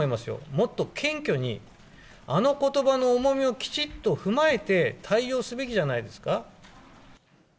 もっと謙虚に、あのことばの重みをきちっと踏まえて、対応すべきじゃないですか。